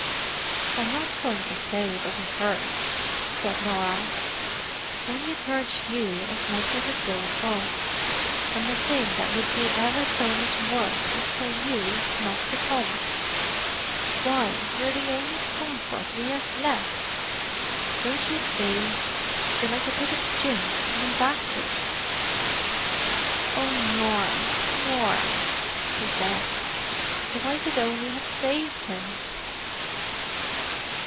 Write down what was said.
"I'm not going to say it doesn't hurt," said Norah. "Only it hurts you as much as it does us. And the thing that would be ever so much worse is for you not to come. Why, you're the only comfort we have left. Don't you see, you're like a bit of Jim coming back to us?" "Oh, Norah—Norah!" he said. "If I could only have saved him!"